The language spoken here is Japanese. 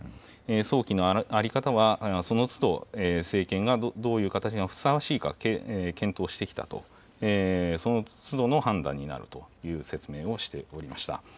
葬儀の在り方はそのつど、政権がどういう形がふさわしいか、検討してきたと、そのつどの判断になるという説明をしておりました。